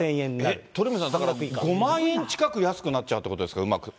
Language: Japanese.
鳥海さん、だから５万円近く安くなっちゃうってことですか。